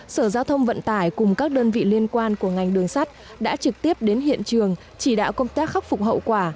sở giao thông vận tải cùng các đơn vị liên quan của ngành đường sắt đã trực tiếp đến hiện trường chỉ đạo công tác khắc phục hậu quả